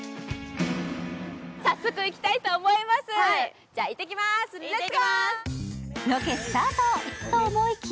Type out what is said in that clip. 早速行きたいと思います。